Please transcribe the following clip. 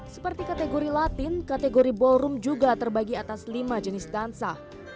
seperti kategori latin kategori ballroom juga terbagi atas lima jenis dansa